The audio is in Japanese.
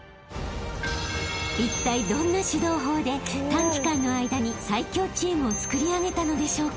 ［いったいどんな指導法で短期間の間に最強チームをつくり上げたのでしょうか？］